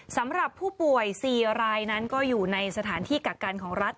สำหรับผู้ป่วย๔รายนั้นก็อยู่ในสถานที่กักกันของรัฐ